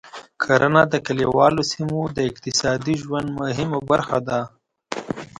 کرنه د کليوالو سیمو د اقتصادي ژوند مهمه برخه ده.